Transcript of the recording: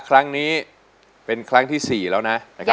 ครั้งนี้เป็นครั้งที่๔แล้วนะ